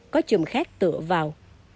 có chùm khác tựa vào